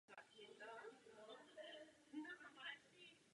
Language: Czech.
V minulosti působil jako ministr financí a ministr spravedlnosti.